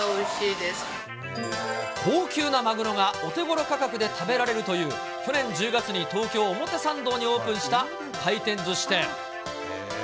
高級なマグロがお手ごろ価格で食べられるという、去年１０月に東京・表参道にオープンした回転ずし店。